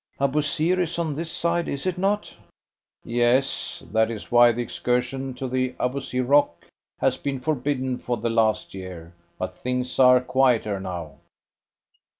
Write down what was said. "Abousir is on this side, is it not?" "Yes. That is why the excursion to the Abousir Rock has been forbidden for the last year. But things are quieter now."